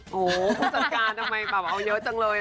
ผู้จัดการทำไมเอาเยอะจังเลย